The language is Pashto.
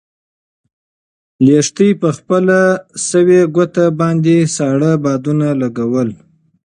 لښتې په خپله سوې ګوته باندې ساړه بادونه لګول.